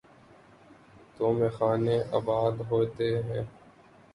تو میخانے آباد ہوتے ہیں۔